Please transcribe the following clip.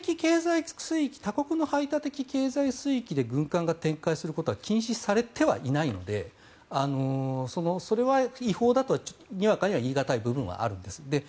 他国の排他的経済水域で軍艦が展開することは禁止されてはいないのでそれは違法だとはにわかには言い難い部分はあるんです。